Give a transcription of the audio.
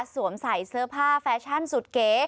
สวมใส่เสื้อผ้าแฟชั่นสุดเก๋